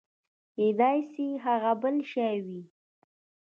کېداى سي هغه بل شى وي.